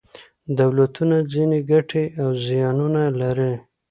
دولتونه ځینې ګټې او زیانونه لري.